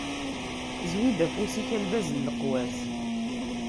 Zwi-d afus-ik a lbaz n leqwas.